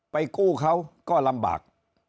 กู้เขาก็ลำบาก